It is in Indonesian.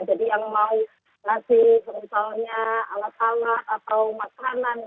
jadi yang mau kasih misalnya alat alat atau makanan itu